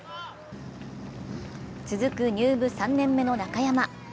続く入部３年目の中山。